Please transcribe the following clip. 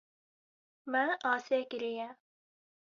Me asê kiriye.